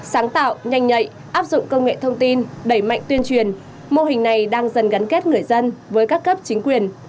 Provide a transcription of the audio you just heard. sáng tạo nhanh nhạy áp dụng công nghệ thông tin đẩy mạnh tuyên truyền mô hình này đang dần gắn kết người dân với các cấp chính quyền